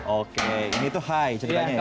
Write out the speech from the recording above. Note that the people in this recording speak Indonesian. oke ini tuh high ceritanya ya